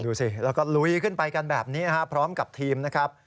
ดูสิแล้วก็ลุยขึ้นไปกันแบบนี้นะครับพร้อมกับทีมนะครับ